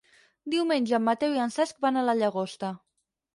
Diumenge en Mateu i en Cesc van a la Llagosta.